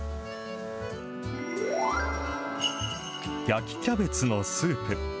焼きキャベツのスープ。